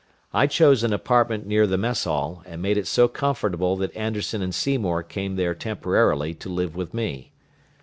I chose an apartment near the mess hall, and made it so comfortable that Anderson and Seymour came there temporarily to live with me.